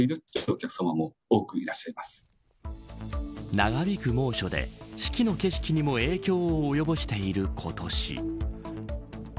長引く猛暑で四季の景色にも影響をおよぼしている今年。